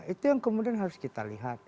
itu yang kemudian harus kita lihat